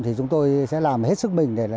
thì chúng tôi sẽ làm hết sức mình để